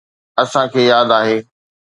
اسان کي ياد آهي.